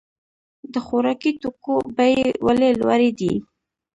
د خوراکي توکو بیې ولې لوړې دي؟